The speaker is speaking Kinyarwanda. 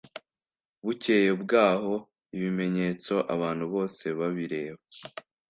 bukeye bwaho ibimenyetso abantu bose babireba,